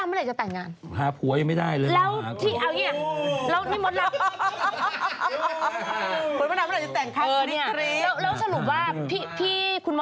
อันจี้ถามค่อนข้างเป็นไปได้มั้ย